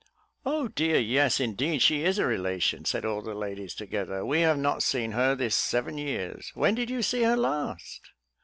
"Oh, dear, yes, indeed, she is a relation," said all the ladies together; "we have not seen her this seven years, when did you see her last?"